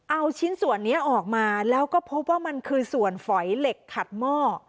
เอาชิ้นส่วนนี้ออกมาแล้วก็พบว่ามันคือส่วนฝอยเหล็กขัดหม้อ